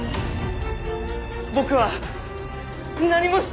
僕は何もしてない！